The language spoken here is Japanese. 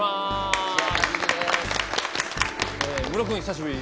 ムロ君久しぶり！